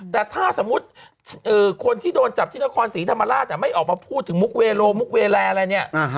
แต่ถ้าสมมุติคนที่โดนจับที่นครศรีธรรมราชไม่ออกมาพูดถึงมุกเวโลมุกเวแลอะไรเนี่ย